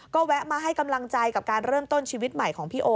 ก็แวะมาให้กำลังใจกับการเริ่มต้นชีวิตใหม่ของพี่โอ